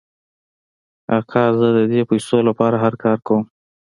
آقا زه د دې پیسو لپاره هر کار کوم.